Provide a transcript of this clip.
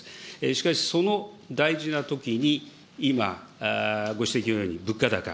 しかし、その大事なときに、今、ご指摘のように物価高。